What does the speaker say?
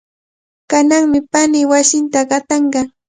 Kananmi paniiqa wasinta qatanqa.